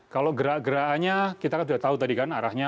kalau gerak geraknya kita kan sudah tahu tadi kan arahnya